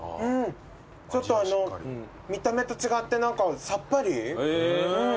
ちょっと見た目と違ってさっぱり。